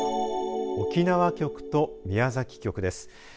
沖縄局と宮崎局です。